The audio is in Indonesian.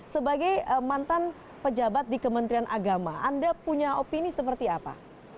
sebagai mantan pejabat di kementerian agama anda punya opini seperti apa